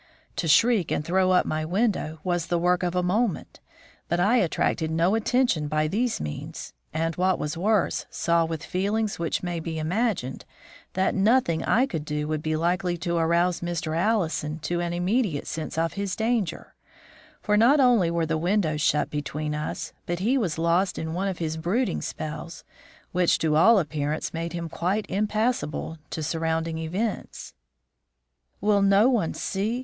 To shriek and throw up my window was the work of a moment, but I attracted no attention by these means, and, what was worse, saw, with feelings which may be imagined, that nothing I could do would be likely to arouse Mr. Allison to an immediate sense of his danger, for not only were the windows shut between us, but he was lost in one of his brooding spells, which to all appearance made him quite impassible to surrounding events. "Will no one see?